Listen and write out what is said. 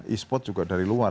e sport juga dari luar